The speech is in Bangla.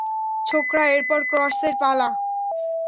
ছোকরা, এরপর ক্রসের পালা।